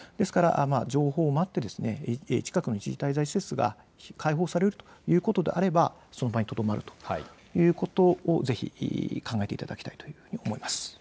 情報を待って近くの一時滞在施設が開設されるということでしたらそれを待つということをぜひ考えていただきたいと思います。